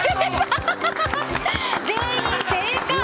全員正解。